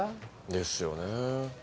ですよねぇ。